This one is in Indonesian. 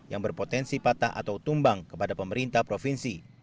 yang berpotensi patah atau tumbang kepada pemerintah provinsi